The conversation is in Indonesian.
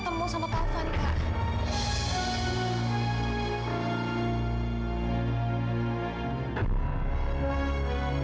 tukang putih itu sama mila penjara gruit kondisi patung